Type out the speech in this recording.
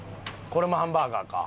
これもハンバーガーか。